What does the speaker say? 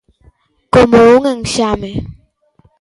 Como un enxame.